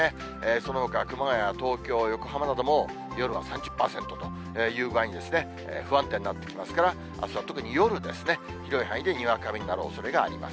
そのほか、熊谷、東京、横浜なども、夜は３０％という具合に、不安定になってきますから、あすは特に夜ですね、広い範囲でにわか雨になるおそれがあります。